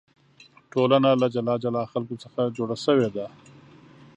ټولنه له جلا جلا خلکو څخه جوړه شوې ده.